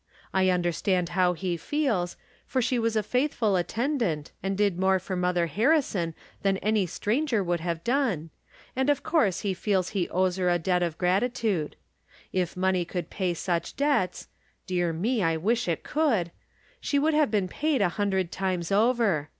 I understand how he feels, for she was a faithful attendant, and did more for Mother Harrison than any stranger would have done, and of course he feels he owes her a debt of gratitude. If money could pay such debts (dear me, I wish it could) she would have been paid a hundred times over.